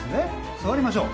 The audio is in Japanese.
座りましょう。